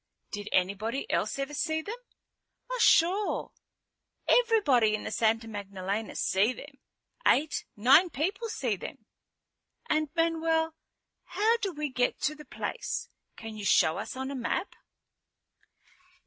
"Did anybody else ever see them?" "Oh, sure. Everybody in the Santa Magdalena see them. Eight, nine people see them." "And Manuel, how do we get to the place? Can you show us on a map?"